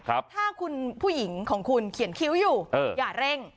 ถ้าคุณผู้หญิงของคุณเขียนคิ้วอยู่อย่าเร่ง